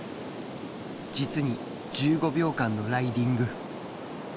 実に１５秒間のライディング。